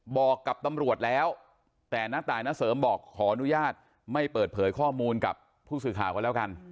บอกกับตำรวจแล้วแต่น้าตายณเสริมบอกขออนุญาตไม่เปิดเผยข้อมูลกับผู้สื่อข่าวก็แล้วกัน